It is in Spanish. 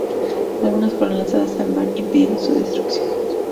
Algunas fueron lanzadas al mar, impidiendo su destrucción.